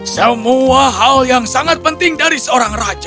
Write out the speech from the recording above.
semua hal yang sangat penting dari seorang raja